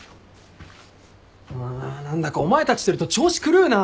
あ何だかお前たちといると調子狂うな！